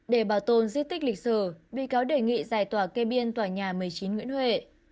để bảo tồn di tích lịch sử bị cáo đề nghị giải tỏa kê biên tòa nhà một mươi chín nguyễn huệ